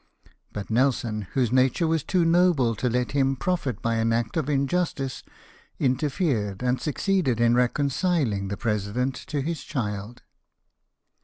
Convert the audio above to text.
But Nelson, whose nature was too noble to let him profit by an act of injustice, interfered, and succeeded in reconciling the president to his child.